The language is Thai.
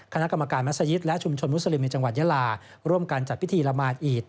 คณะกรรมการมัศยิตและชุมชนมุสลิมในจังหวัดยาลาร่วมกันจัดพิธีละมานอีด